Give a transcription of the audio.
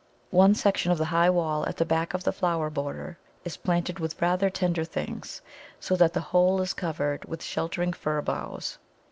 One section of the high wall at the back of the flower border is planted with rather tender things, so that the whole is covered with sheltering fir boughs.